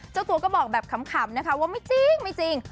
เจ้าตัวก็บอกแบบขำนะคะว่าไม่จริง